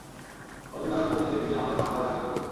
অর্জুন নামে নতুন এসিপি আমাদের মামলায় দাখেল করছে।